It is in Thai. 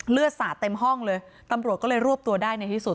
สาดเต็มห้องเลยตำรวจก็เลยรวบตัวได้ในที่สุด